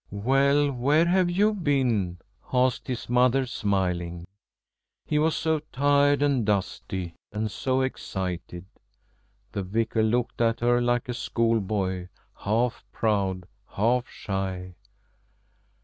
"Well, where have you been?" asked his mother, smiling. He was so tired and dusty, and so excited. The Vicar looked at her like a school boy, half proud, half shy.